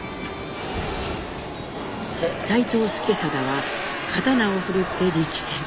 「齋藤資定は刀をふるって力戦。